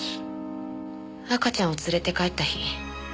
赤ちゃんを連れて帰った日。